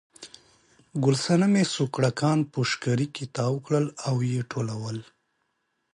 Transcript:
ګل صنمې سوکړکان په شکري کې تاو کړل او یې ټولول.